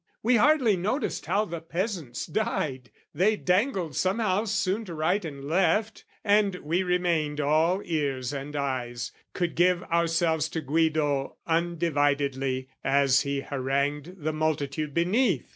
"We hardly noticed how the peasants died, "They dangled somehow soon to right and left, "And we remained all ears and eyes, could give "Ourselves to Guido undividedly, "As he harangued the multitude beneath.